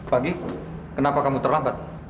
pagi kenapa kamu terlambat